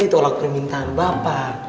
tolak permintaan bapak